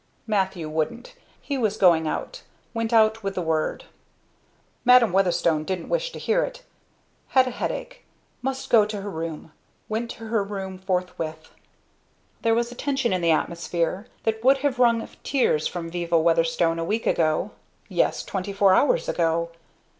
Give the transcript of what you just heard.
Matthew wouldn't. He was going out; went out with the word. Madam Weatherstone didn't wish to hear it had a headache must go to her room went to her room forthwith. There was a tension in the atmosphere that would have wrung tears from Viva Weatherstone a week ago, yes, twenty four hours ago.